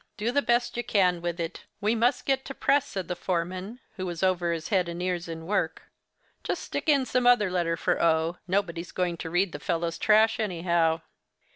do the best you can with it! We must get to press,' said the foreman, who was over head and ears in work; 'just stick in some other letter for o; nobody's going to read the fellow's trash anyhow.